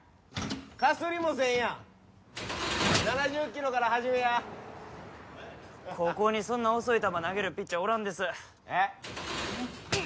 かすりもせんやん７０キロから始めや高校にそんな遅い球投げるピッチャーおらんです・えっ何？